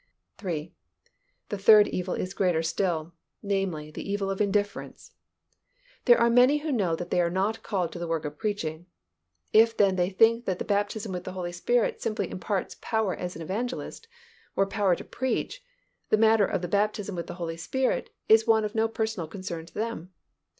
(3) The third evil is greater still, namely, the evil of indifference. There are many who know that they are not called to the work of preaching. If then they think that the baptism with the Holy Spirit simply imparts power as an evangelist, or power to preach, the matter of the baptism with the Holy Spirit is one of no personal concern to them.